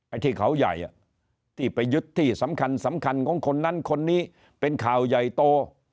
ที่เขาใหญ่ที่ไปยึดที่สำคัญสำคัญของคนนั้นคนนี้เป็นข่าวใหญ่โต